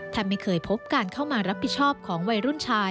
ไม่เคยพบการเข้ามารับผิดชอบของวัยรุ่นชาย